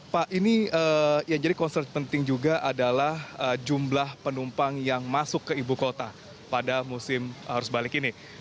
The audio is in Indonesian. pak ini yang jadi concern penting juga adalah jumlah penumpang yang masuk ke ibu kota pada musim arus balik ini